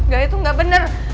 gak itu gak bener